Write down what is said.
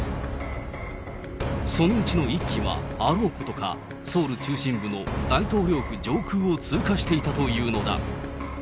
そのうちの１機はあろうことか、ソウル中心部の大統領府上空を通過していたというのだ。